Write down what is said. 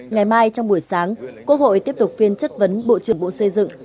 ngày mai trong buổi sáng quốc hội tiếp tục phiên chất vấn bộ trưởng bộ xây dựng